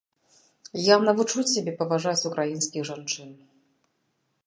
Я навучу цябе паважаць украінскіх жанчын.